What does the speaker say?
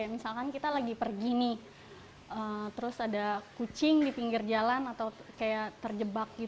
misalkan kita lagi pergi nih terus ada kucing di pinggir jalan atau kayak terjebak